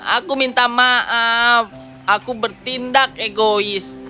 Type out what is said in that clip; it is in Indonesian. aku minta maaf aku bertindak egois